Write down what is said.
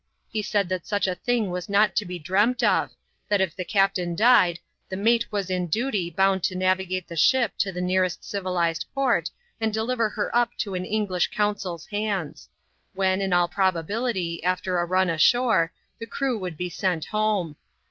He said that such a thing was not to be dreamt of ; that if the captain died, the mate was in duty bound to navigate the ship to the nearest civilized port^ and deliver her up into an English consul's hands ; when, in all probability, after a run ashore, the crew would be sent home.